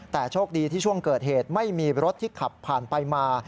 แต่โชคดีที่ช่วงเกิดเหตุไม่มีรถที่ขับผ่านไปมา